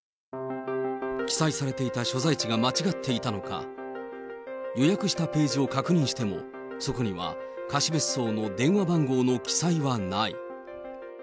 記載されていた所在地が間違っていたのか、予約したページを確認しても、そこには貸別荘の電話番号の記載はない。